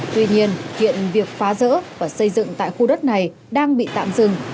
tuy nhiên hiện việc phá rỡ và xây dựng tại khu đất này đang bị tạm dừng